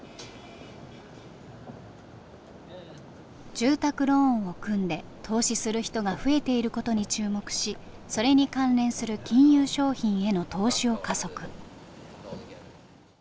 住宅ローンを組んで投資する人が増えていることに注目しそれに関連する金融商品への投資を加速。